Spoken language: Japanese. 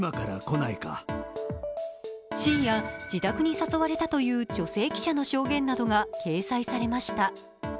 深夜、自宅に誘われたという女性記者の証言などが掲載されました。